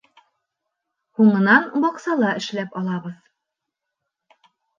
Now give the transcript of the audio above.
Һуңынан баҡсала эшләп алабыҙ.